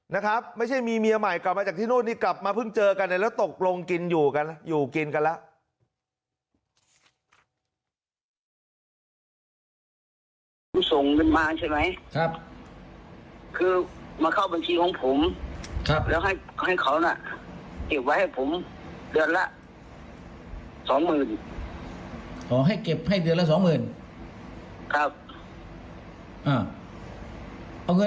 นะครับไม่ใช่มีเมียใหม่กลับมาจากที่นู่นนี่กลับมาเพิ่งเจอกันเลยแล้วตกลงกินอยู่กันแล้วอยู่กินกันแล้ว